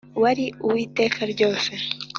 wari uw'iteka ryose.